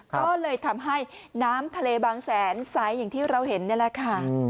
ก็เลยทำให้น้ำทะเลบางแสนใสอย่างที่เราเห็นนี่แหละค่ะ